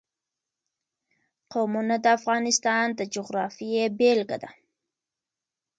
قومونه د افغانستان د جغرافیې بېلګه ده.